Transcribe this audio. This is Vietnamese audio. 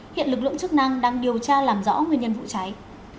hiện lực lượng chức năng đang điều tra làm rõ nguyên nhân vụ cháy